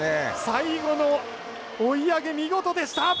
最後の追い上げ見事でした。